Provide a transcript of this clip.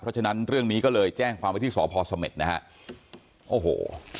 เพราะฉะนั้นเรื่องนี้ก็เลยแจ้งความไว้ที่สพสเม็ดนะฮะโอ้โห